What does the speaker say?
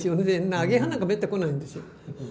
アゲハなんかめったに来ないんですよ。